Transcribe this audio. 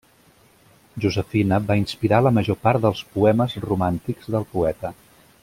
Josefina va inspirar la major part dels poemes romàntics del poeta.